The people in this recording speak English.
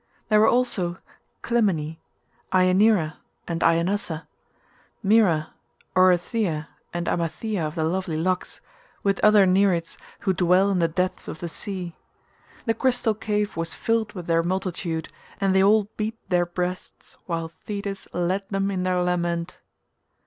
There were also Clymene, Ianeira and Ianassa, Maera, Oreithuia and Amatheia of the lovely locks, with other Nereids who dwell in the depths of the sea. The crystal cave was filled with their multitude and they all beat their breasts while Thetis led them in their lament.